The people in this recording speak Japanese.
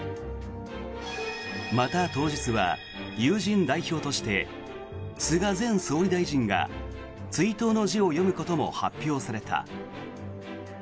また、当日は友人代表として菅前総理大臣が追悼の辞を読むことも発表された。